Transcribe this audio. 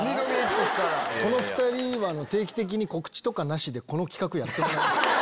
この２人は定期的に告知なしでこの企画やってもらいます。